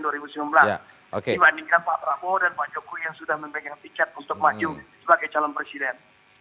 dibandingkan pak prabowo dan pak jokowi yang sudah memegang tiket untuk maju sebagai calon presiden